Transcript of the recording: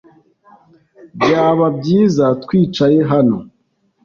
Byaba byiza twicaye hano.